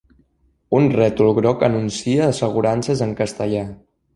Un rètol groc anuncia assegurances en castellà.